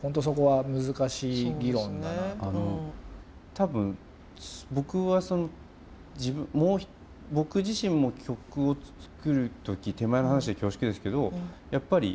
多分僕は僕自身も曲を作る時手前の話で恐縮ですけどやっぱり